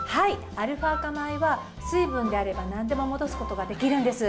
アルファ化米は水分であれば何でも戻すことができるんです。